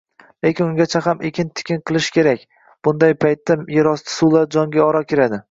Lekin ungacha ham ekin-tikin qilish kerak. Bunday paytda yerosti suvlari jonga ora kiradi.